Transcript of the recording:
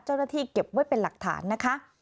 เจ้าหน้าที่เก็บไว้เป็นหลักฐานนะคะ